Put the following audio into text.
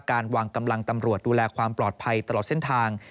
การวางกำลังตำรวจดูแลความปลอดภัยตลอดเส้นทาง